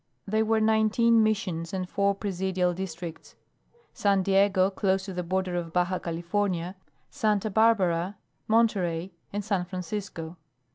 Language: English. There were nineteen Missions and four Presidial districts San Diego, close to the border of Baja California, Santa Barbara, Monterey, and San Francisco.